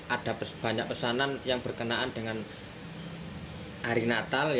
ada banyak pesanan yang berkenaan dengan hari natal